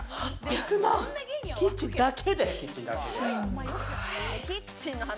キッチンだけで？